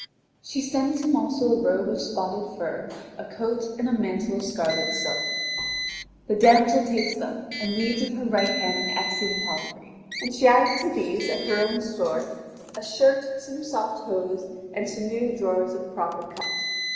She sends him also a robe of spotted fur, a coat, and a mantle of scarlet silk. The damsel takes them, and leads in her right hand an excellent palfrey. And she added to these, of her own store, a shirt, some soft hose, and some new drawers of proper cut.